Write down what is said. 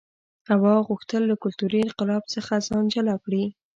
هوا غوښتل له کلتوري انقلاب څخه ځان جلا کړي.